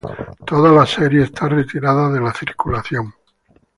Toda la serie está retirada de la circulación.